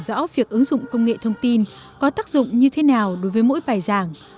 cô giáo phạm thị hà phương hiểu rõ việc ứng dụng công nghệ thông tin có tác dụng như thế nào đối với mỗi bài giảng